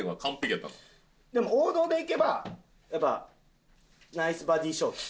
じゃあもう王道でいけばやっぱナイスバディショーツ。